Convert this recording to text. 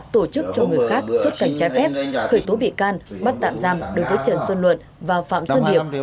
tổ chức cho người khác xuất cảnh trái phép khởi tố bị can bắt tạm giam đối với trần xuân luận và phạm xuân điệp